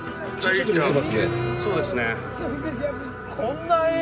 そうですね